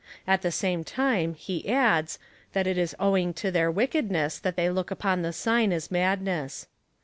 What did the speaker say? At the same time he adds, that it is owing to their wickedness, that they look upon the sign as madness.